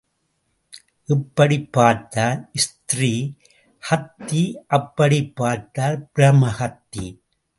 இப்படிப் பார்த்தால் ஸ்த்ரீ ஹத்தி அப்படிப் பார்த்தால் பிரம்ம ஹத்தி.